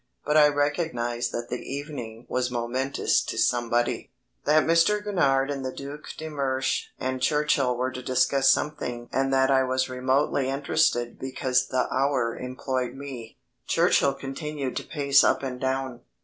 But I recognised that the evening was momentous to somebody that Mr. Gurnard and the Duc de Mersch and Churchill were to discuss something and that I was remotely interested because the Hour employed me. Churchill continued to pace up and down.